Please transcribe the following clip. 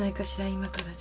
今からじゃ。